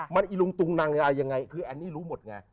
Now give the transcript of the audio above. มันอิลุงตุงนังอะไรยังไงคืออันนี้รู้หมดไง